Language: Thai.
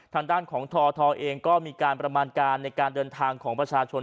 ทางด้านของททเองก็มีการประมาณการในการเดินทางของประชาชน